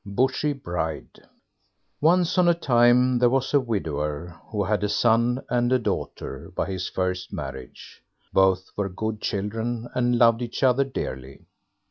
BUSHY BRIDE Once on a time there was a widower, who had a son and a daughter by his first marriage. Both were good children, and loved each other dearly.